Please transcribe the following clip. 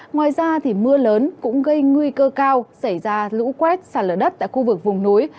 ngoài ra mưa lớn cũng gây nguy cơ cao xảy ra lũ quét xả lở đất tại khu vực vùng núi